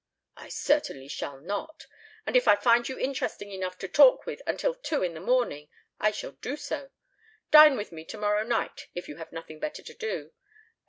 "I certainly shall not. And if I find you interesting enough to talk with until two in the morning, I shall do so. Dine with me tomorrow night if you have nothing better to do.